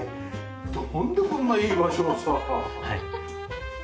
なんでこんないい場所を使ったの？